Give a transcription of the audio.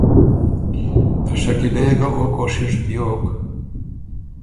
ته شکیلۀ يې ګۀ او کوشش بیوک